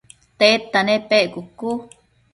tedta nepec?cucu